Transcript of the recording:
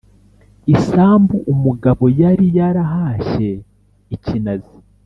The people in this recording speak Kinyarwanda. Isambu umugabo yari yarahashye i Kinazi